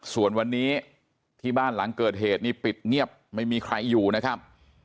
ส่วนวันนี้ที่บ้านหลังเกิดเหตุนี่ปิดเงียบไม่มีใครอยู่นะครับ